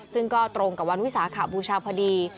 ซึ่งก็ตรงกับวันวิสาขบูชาพอดี